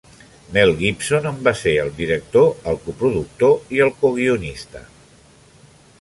Mel Gibson en va ser el director, el coproductor i el coguionista.